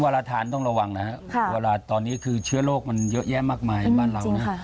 เราทานต้องระวังนะครับเวลาตอนนี้คือเชื้อโรคมันเยอะแยะมากมายบ้านเรานะ